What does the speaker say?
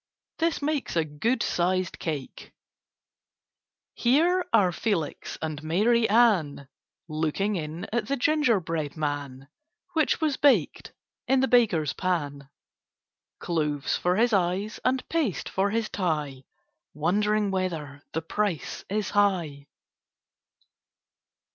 This makes a good sized cake. [Illustration: "Here are Felix and Mary Ann Looking in at the Gingerbread Man, Which was baked in the baker's pan; Cloves for his eyes and paste for his tie, Wondering whether the price is high."